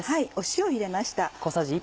塩を入れました。